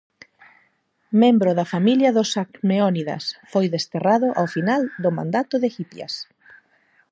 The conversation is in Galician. Membro da familia dos Alcmeónidas, foi desterrado ao final do mandato de Hipias.